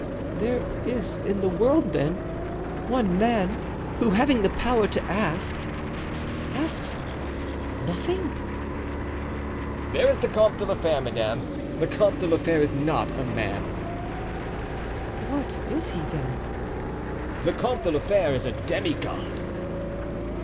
"There is in the world, then, one man who, having the power to ask, asks—nothing!" "There is the Comte de la Fere, madame. The Comte de la Fere is not a man." "What is he, then?" "The Comte de la Fere is a demi god."